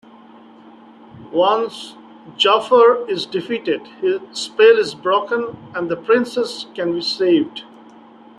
Once Jaffar is defeated, his spell is broken and the Princess can be saved.